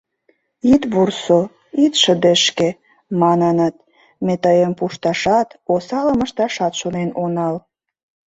«Ит вурсо, ит шыдешке, — маныныт, — ме тыйым пушташат, осалым ышташат шонен онал.